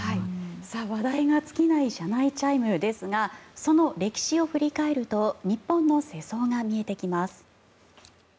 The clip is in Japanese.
話題が尽きない車内チャイムですがその歴史を振り返ると日本の世相が見えてきます。